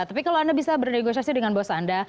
tapi kalau anda bisa bernegosiasi dengan bos anda